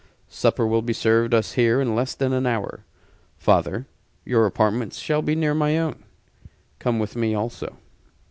Supper will be served us here in less than an hour. Father, your apartments shall be near my own. Come with me, also."